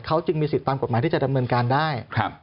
เขาจึงมีสิทธิ์ตามกฎหมายที่จะดำเนินการได้